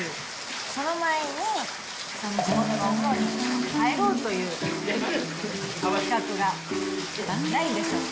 その前に、地元のお風呂に入ろうという企画がないんでしょうか？